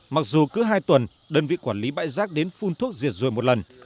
mặc dù cứ hai tuần đơn vị quản lý bãi rác đến phun thuốc diệt ruồi một lần